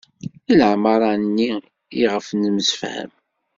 I lamara-ni i ɣef nemsefham?